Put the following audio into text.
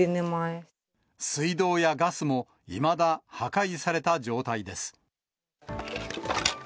水道やガスも、いまだ、破壊された状態です。